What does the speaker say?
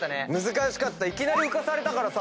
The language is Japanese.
難しかった。